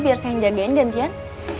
biar saya jagain gantian